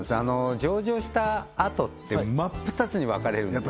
上場したあとって真っ二つに分かれるんですよ